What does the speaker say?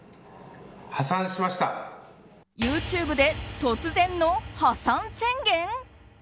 ＹｏｕＴｕｂｅで突然の破産宣言？